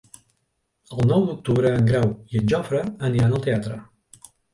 El nou d'octubre en Grau i en Jofre aniran al teatre.